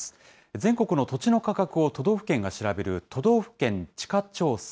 全国の土地の価格を都道府県が調べる、都道府県地価調査。